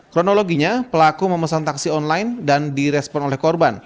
kronologinya pelaku memesan taksi online dan direspon oleh korban